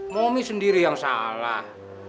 bomi sendiri yang salah